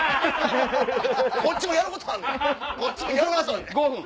こっちもやることあんねん。